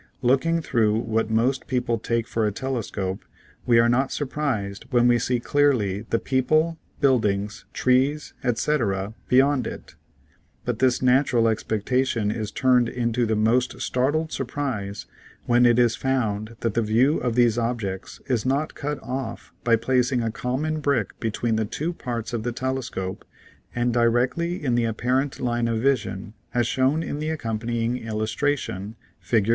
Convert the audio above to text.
Look Fig. 34. ing through what most people take for a telescope, we are not surprised when we see clearly the people, buildings, trees, etc., beyond it, but this natural expectation is turned into the most startled surprise when it is found that the view of these objects is not cut off by placing a common brick between the two parts of the telescope and directly in the apparent line of vision, as shown in the accompany ing illustration, Fig.